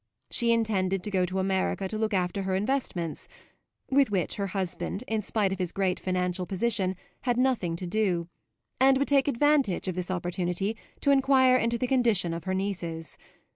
She intended to go to America to look after her investments (with which her husband, in spite of his great financial position, had nothing to do) and would take advantage of this opportunity to enquire into the condition of her nieces.